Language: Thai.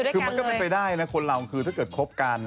คือมันก็เป็นไปได้นะคนเราคือถ้าเกิดคบกัน